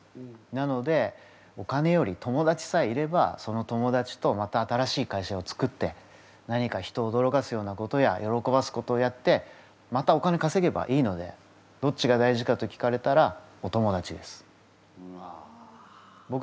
なのでお金より友だちさえいればその友だちとまた新しい会社を作って何か人を驚かすようなことや喜ばすことをやってまたお金かせげばいいのでどっちが大事かと聞かれたらお友だちです。